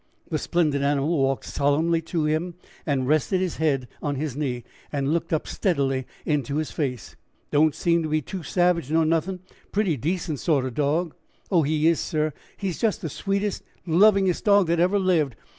The splendid animal walked solemnly to him and, resting his head on his knee, looked up steadily into his face. "Don't seem to be too savage nor nothin' pretty decent sort of dog." "Oh, he is, sir; he is just the sweetest, lovingest dog that ever lived.